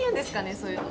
そういうの。